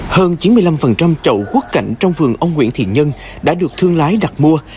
hơn chín mươi năm chậu quất cảnh trong vườn ông nguyễn thị nhân đã được thương lái đặt mua